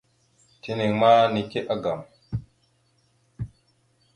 Tina ma nike agam.